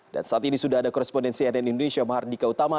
dan saat ini sudah ada korespondensi ann indonesia mahardika utama